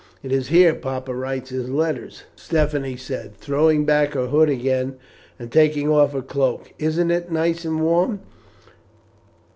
"It is here papa writes his letters," Stephanie said, throwing back her hood again and taking off her cloak; "isn't it nice and warm?"